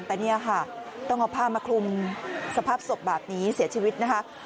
แต่เนี่ยค่ะต้องเอาผ้ามาคลุมสภาพศพแบบนี้เสียชีวิตนะคะ